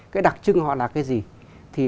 cái đặc trưng họ là cái gì